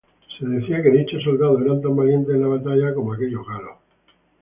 Se decía que dichos soldados eran tan valientes en la batalla como aquellos gallos.